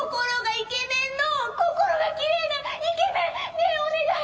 ねえお願い！